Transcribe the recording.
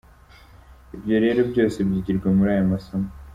Ibyo rero byose byigirwa muri aya masomo.